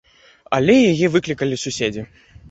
Але яе выклікалі суседзі.